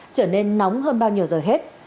trở nên nóng hơn bao nhiêu giờ hết